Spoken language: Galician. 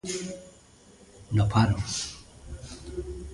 No paro.